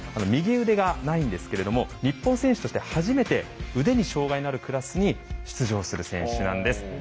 右腕がないんですけれども日本選手として初めて腕に障害のあるクラスに出場する選手なんです。